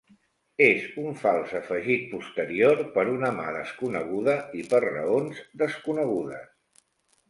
És un fals afegit posterior per una mà desconeguda i per raons desconegudes.